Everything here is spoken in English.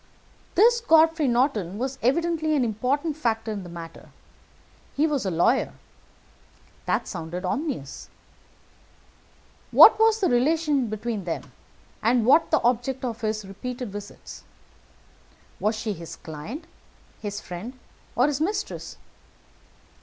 "This Godfrey Norton was evidently an important factor in the matter. He was a lawyer. That sounded ominous. What was the relation between them, and what the object of his repeated visits? Was she his client, his friend, or his mistress?